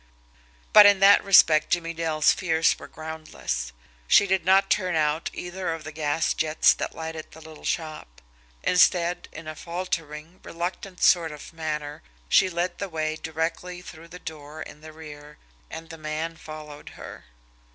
But in that respect Jimmie Dale's fears were groundless. She did not turn out either of the gas jets that lighted the little shop; instead, in a faltering, reluctant sort of manner, she led the way directly through the door in the rear, and the man followed her.